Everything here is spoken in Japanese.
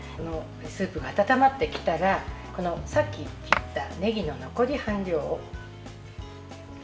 スープが温まってきたらさっき切ったねぎの残り半量を。